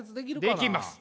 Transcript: できます。